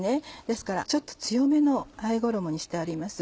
ですからちょっと強めのあえ衣にしてあります。